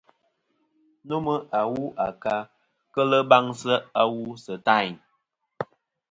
Nomɨ awu a ka kel baŋsɨ awu sɨ tayn.